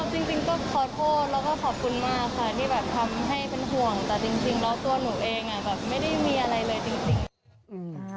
จริงก็ขอโทษแล้วก็ขอบคุณมากค่ะที่แบบทำให้เป็นห่วงแต่จริงแล้วตัวหนูเองแบบไม่ได้มีอะไรเลยจริง